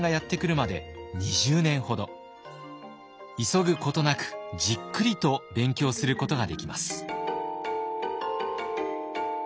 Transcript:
急ぐことなくじっくりと勉強することができます。